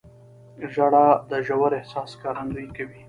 • ژړا د ژور احساس ښکارندویي کوي.